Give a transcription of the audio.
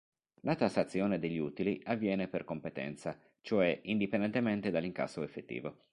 La tassazione degli utili avviene per competenza, cioè, indipendentemente dall'incasso effettivo.